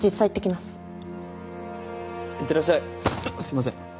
うっすいません。